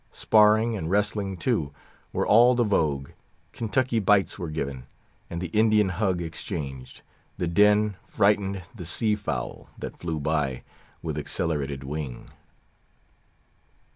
Sparring and wrestling, too, were all the vogue; Kentucky bites were given, and the Indian hug exchanged. The din frightened the sea fowl, that flew by with accelerated wing.